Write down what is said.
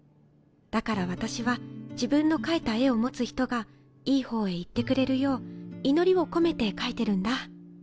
だから私は自分の描いた絵を持つ人がいい方へ行ってくれるよう祈りを込めて描いてるんだ。